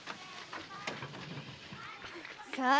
さあ